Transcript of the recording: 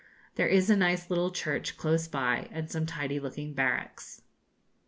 There is a nice little church close by, and some tidy looking barracks.